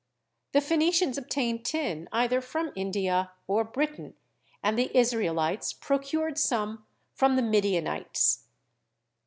The Phoenicians obtained tin either from India or Britain and the Israelites procured some from the Midianites.